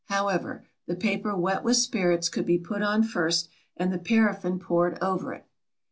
However, the paper wet with spirits could be put on first and the paraffin poured over it.